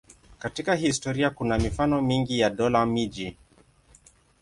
Katika historia kuna mifano mingi ya dola-miji.